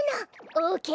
オーケー！